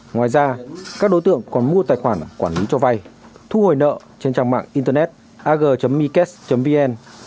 ngoài ra các đối tượng còn mua tài khoản quản lý cho vay thu hồi nợ trên trang mạng internet ag mycas vn